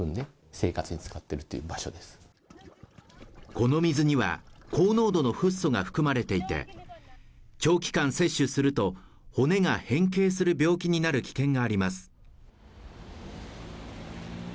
この水には高濃度のフッ素が含まれていて、長期間摂取すると、骨が変形する病気になる危険があります。